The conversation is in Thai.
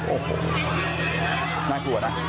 โอ้โหน่ากลัวนะ